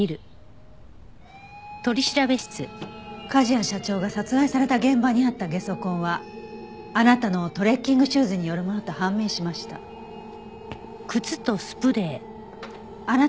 梶谷社長が殺害された現場にあったゲソ痕はあなたのトレッキングシューズによるものと判明しました。